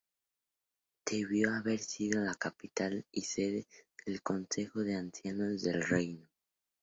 Debió haber sido la capital y sede del Consejo de Ancianos del reino.